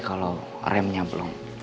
kalau remnya belum